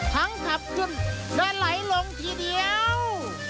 ขับขึ้นและไหลลงทีเดียว